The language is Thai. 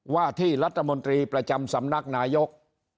ว่าที่รัฐมนตรีประจำสำนักนายก